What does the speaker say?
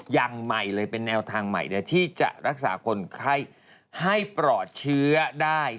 อย่างใหม่เลยเป็นแนวทางใหม่ที่จะรักษาคนไข้ให้ปลอดเชื้อได้